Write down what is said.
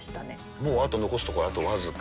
もうあと残すところあと僅か。